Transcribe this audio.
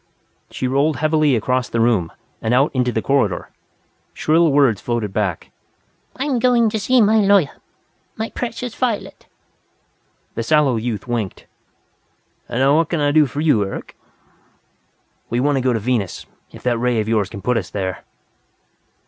She rolled heavily across the room, and out into the corridor. Shrill words floated back: "I'm going to see my lawyer! My precious Violet " The sallow youth winked. "And now what can I do for you, Eric?" "We want to go to Venus, if that ray of yours can put us there."